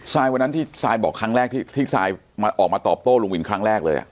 วันนั้นที่ซายบอกครั้งแรกที่ซายออกมาตอบโต้ลุงวินครั้งแรกเลย